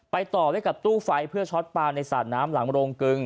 ต่อไว้กับตู้ไฟเพื่อช็อตปลาในสระน้ำหลังโรงกึง